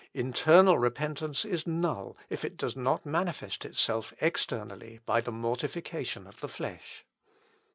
Internal repentance is null, if it does not manifest itself externally by the mortification of the flesh.